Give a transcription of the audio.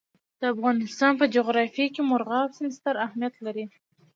د افغانستان په جغرافیه کې مورغاب سیند ستر اهمیت لري.